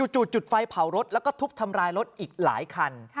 จุดไฟเผารถแล้วก็ทุบทำลายรถอีกหลายคัน